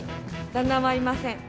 旦那はいません。